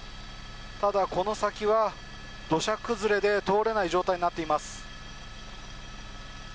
ただ、この先は土砂崩れで通れない状態になっています。